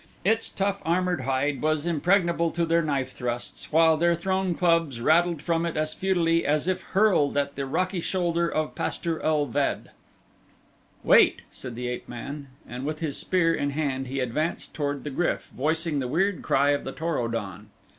Its tough, armored hide was impregnable to their knife thrusts while their thrown clubs rattled from it as futilely as if hurled at the rocky shoulder of Pastar ul ved. "Wait," said the ape man, and with his spear in hand he advanced toward the GRYF, voicing the weird cry of the Tor o don.